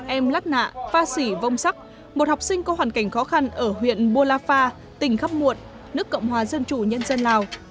em lát nạ pha sỉ vông sắc một học sinh có hoàn cảnh khó khăn ở huyện bô la pha tỉnh khắp muộn nước cộng hòa dân chủ nhân dân lào